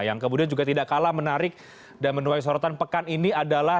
yang kemudian juga tidak kalah menarik dan menuai sorotan pekan ini adalah